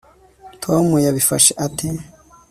tom yabifashe ate